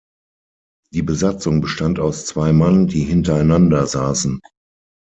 Die Besatzung bestand aus zwei Mann, die hintereinander saßen.